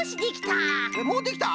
えっもうできた？